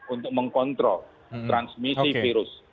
untuk mengkontrol transmisi virus